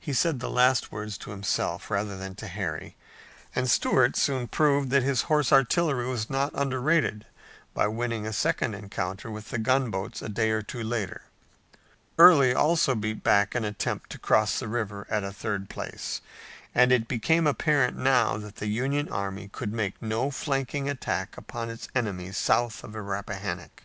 He said the last words to himself, rather than to Harry, and Stuart soon proved that his horse artillery was not underrated by winning a second encounter with the gunboats a day or two later. Early also beat back an attempt to cross the river at a third place, and it became apparent now that the Union army could make no flanking attack upon its enemy south of the Rappahannock.